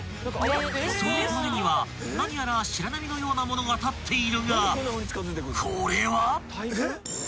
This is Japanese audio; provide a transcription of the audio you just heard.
［その手前には何やら白波のようなものが立っているがこれは？］